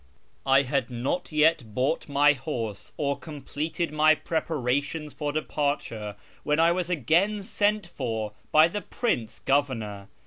I had not yet bought my horse or completed my prepara tions for departure, when I was again sent for by the Prince Governor.